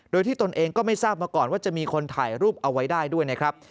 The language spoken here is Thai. โดยที่ตนเองก็ไม่ทราบมาก่อนว่าจะมีคนถ่ายรูปเอาไว้ได้ด้วยนะครับ